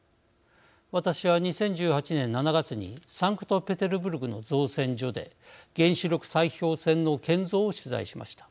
私は２０１８年７月にサンクトペテルブルクの造船所で原子力砕氷船の建造を取材しました。